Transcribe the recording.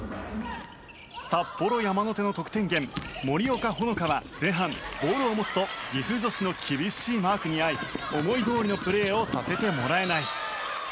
札幌山の手の得点源森岡ほのかは前半ボールを持つと岐阜女子の厳しいマークにあい思いどおりのプレーをさせてもらえない。